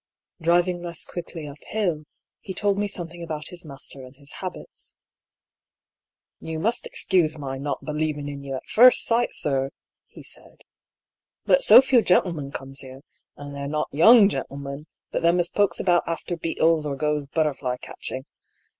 Driving less quickly uphill, he told me something about his master and his habits. " You must excuse my not believin* in you at first sight, sir," he said ;" but so few gen'l'men comes here, and they're not young gen'l'men, but them as pokes about after beetles or goes butterfly catching.